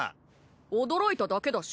驚いただけだし。